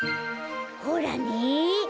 ほらね。